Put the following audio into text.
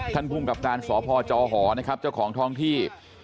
ท่านผู้กับการสพจหนะครับเจ้าของทองที่